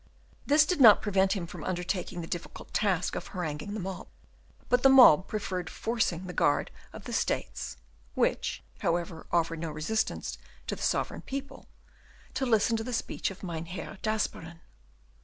This did not prevent him from undertaking the difficult task of haranguing the mob; but the mob preferred forcing the guard of the States which, however, offered no resistance to the sovereign people to listening to the speech of Mynheer d'Asperen.